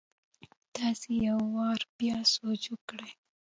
تاسي يو وار بيا سوچ وکړئ!